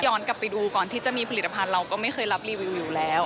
กลับไปดูก่อนที่จะมีผลิตภัณฑ์เราก็ไม่เคยรับรีวิวอยู่แล้ว